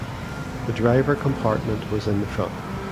The driver compartment was in the front.